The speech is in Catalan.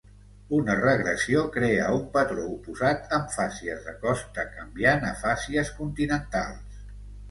Una regressió crea un patró oposat, amb fàcies de costa canviant a fàcies continentals.